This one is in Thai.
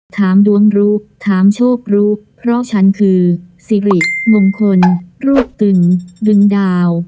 ถามดวงรู้ถามโชครู้เพราะฉันคือสิริมงคลรวบตึงดึงดาว